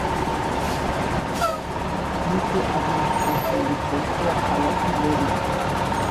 მისი ადმინისტრაციული ცენტრია ქალაქი ლერიქი.